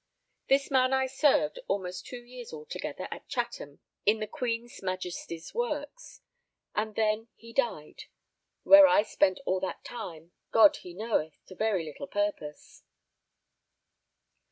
This man I served almost two years altogether at Chatham in the Queen's Majesty's Works, and then he died; where I spent all that time, God he knoweth, to very little purpose.